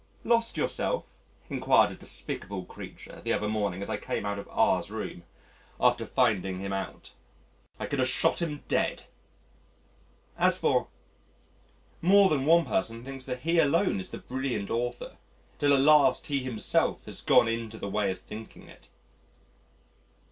"Lost yourself?" inquired a despicable creature the other morning as I came out of R 's room after finding him out. I could have shot him dead! ... As for more than one person thinks that he alone is the brilliant author until at last he himself has got into the way of thinking it.